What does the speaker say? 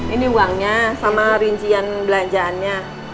ini uangnya sama rincian belanjaannya